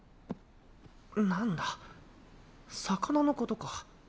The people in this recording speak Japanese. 何だ魚のことか。